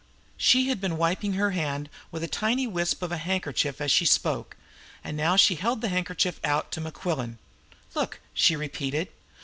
She had been wiping her hand with a tiny wisp of a handkerchief as she spoke, and now she held the handkerchief out to Mequillen. "Look!" she repeated.